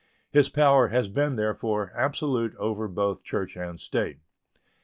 His power has been, therefore, absolute over both church and state.